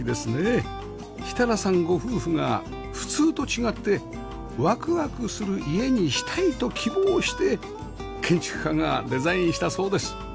設楽さんご夫婦が普通と違ってワクワクする家にしたいと希望して建築家がデザインしたそうです